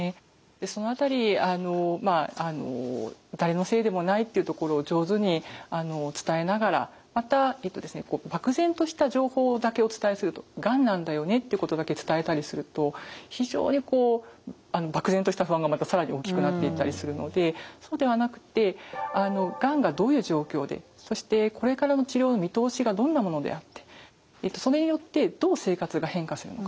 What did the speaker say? その辺り誰のせいでもないっていうところを上手に伝えながらまた漠然とした情報だけお伝えすると「がんなんだよね」ってことだけ伝えたりすると非常に漠然とした不安がまた更に大きくなっていったりするのでそうではなくってがんがどういう状況でそしてこれからの治療の見通しがどんなものであってそれによってどう生活が変化するのか。